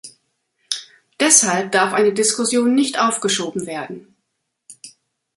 Deshalb darf eine Diskussion nicht aufgeschoben werden.